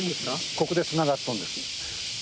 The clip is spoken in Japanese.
ここでつながっとんです。